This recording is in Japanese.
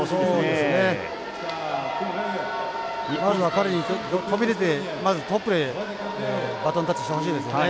まずは彼に飛び出てまずトップでバトンタッチしてほしいですね。